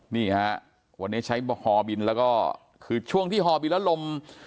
นี่ฮะวันนี้ใช้ฮอบินแล้วก็คือช่วงที่ฮอบินแล้วลม